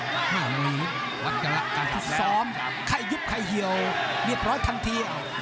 นี่มันมีวัดเจราะกันแล้วทุกซอมใครยุบใครเหี่ยวเรียบร้อยทันที